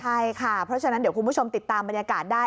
ใช่ค่ะเพราะฉะนั้นเดี๋ยวคุณผู้ชมติดตามบรรยากาศได้